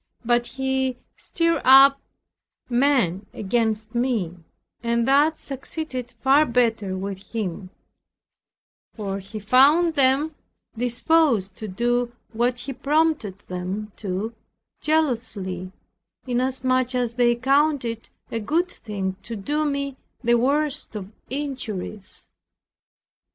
But he stirred up men against me, and that succeeded far better with him; for he found them disposed to do what he prompted them to, zealously, inasmuch as they counted it a good thing to do me the worst of injuries.